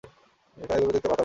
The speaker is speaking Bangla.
এগুলো দেখতে পাতার মত।